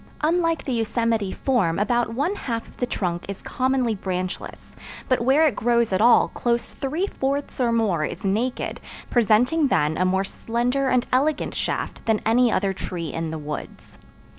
Unlike the Yosemite form about one half of the trunk is commonly branchless, but where it grows at all close three fourths or more is naked, presenting then a more slender and elegant shaft than any other tree in the woods.